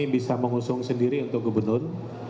bisa mengusung sendiri untuk gubernur